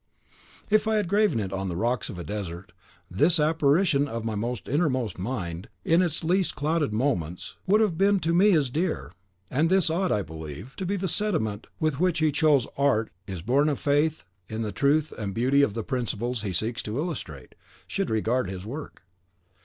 If I had graven it on the rocks of a desert, this apparition of my own innermost mind, in its least clouded moments, would have been to me as dear; and this ought, I believe, to be the sentiment with which he whose Art is born of faith in the truth and beauty of the principles he seeks to illustrate, should regard his work.